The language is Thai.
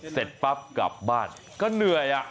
เสร็จปั๊บกลับบ้านก็เหนื่อย